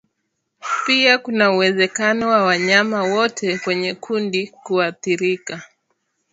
Pia kuna uwezekano wa wanyama wote kwenye kundi kuathirika